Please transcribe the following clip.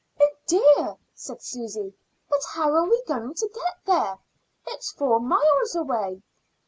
"Oh, dear!" said Susy. "But how are we to get there? It's four miles away."